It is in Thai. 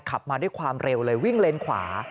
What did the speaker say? ขับมาด้วยความเร็วเลยวิ่งเลนขวา